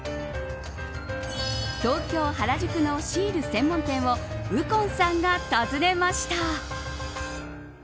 東京、原宿のシール専門店を右近さんが訪ねました。